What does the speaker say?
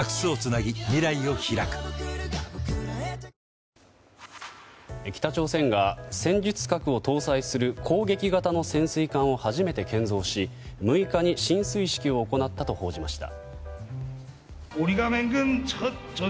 ニトリ北朝鮮が戦術核を搭載する攻撃型の潜水艦を初めて建造し６日に進水式を行ったと報じました。